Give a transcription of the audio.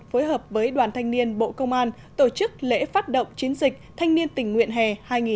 phối hợp với đoàn thanh niên bộ công an tổ chức lễ phát động chiến dịch thanh niên tỉnh nguyện hè hai nghìn một mươi tám